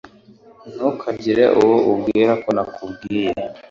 Ntukagire uwo ubwira ko nakubwiye